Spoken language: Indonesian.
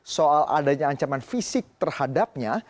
soal adanya ancaman fisik terhadapnya